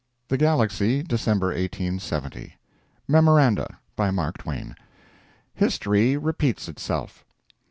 THE GALAXY, December 1870 MEMORANDA. BY MARK TWAIN. "HISTORY REPEATS ITSELF."